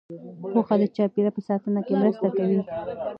پوهه د چاپیریال په ساتنه کې مرسته کوي.